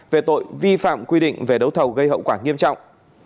về tội vi phạm quy định về đấu thầu gây hậu quả nghiêm trọng